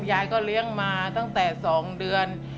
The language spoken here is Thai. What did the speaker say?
ยายก็เลี้ยงมาตั้งแต่๒เดือน